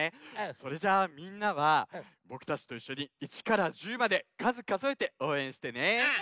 それじゃあみんなはぼくたちといっしょに１から１０までかずかぞえておうえんしてね！